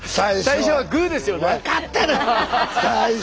最初はグーですよね？